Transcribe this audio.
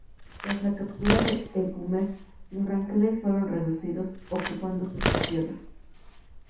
Tras la captura de Epumer, los ranqueles fueron reducidos, ocupándose sus tierras.